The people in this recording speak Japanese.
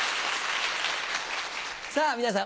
さぁ皆さん